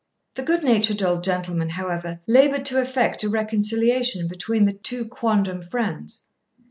The good natured old gentleman, however, laboured to effect a reconciliation between the two quondam friends.